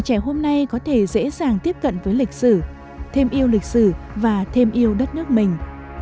trẻ hôm nay có thể dễ dàng tiếp cận với lịch sử thêm yêu lịch sử và thêm yêu đất nước mình